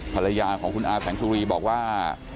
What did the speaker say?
ภรรยาของคุณอาแสงสุรีบอกว่า